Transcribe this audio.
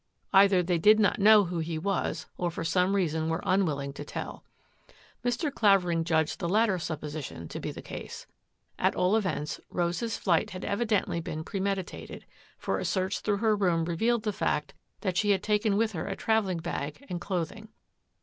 Either they did not know who he was, or for some reason were unwilling to tell. Mr. Clavering judged the latter supposition to be the case. At all events, Rose's flight had evidently been premeditated, for a search thi'ough her room revealed the fact that she had taken with her a travelling bag and clothing.